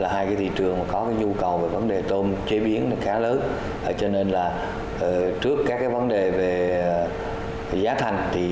hai thị trường có nhu cầu về vấn đề tôm chế biến khá lớn cho nên là trước các vấn đề về giá thành